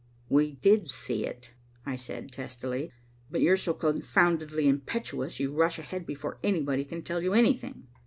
"We did see it," I said testily. "But you're so confoundedly impetuous you rush ahead before anybody can tell you anything."